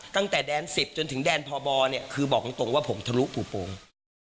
ตั้งแต่แดน๑๐จนถึงแดนพบเนี่ยคือบอกตรงว่าผมทะลุปู่โป่ง